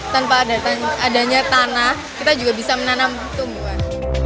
tanpa adanya tanah kita juga bisa menanam tumbuhan